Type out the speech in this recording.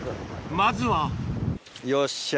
まずはよっしゃ。